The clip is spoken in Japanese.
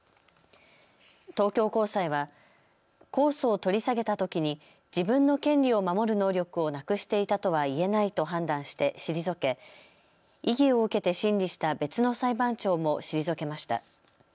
東京高裁は控訴を取り下げたときに自分の権利を守る能力をなくしていたとはいえないと判断して退け異議を受けて審理した別の裁判長も退けました。